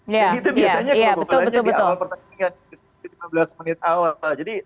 jadi itu biasanya kebobolannya di awal pertandingan